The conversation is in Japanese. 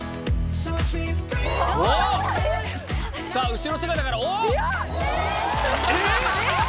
後ろ姿から。